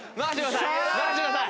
任してください